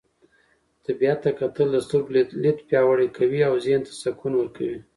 طبیعت ته کتل د سترګو لید پیاوړی کوي او ذهن ته سکون ورکوي.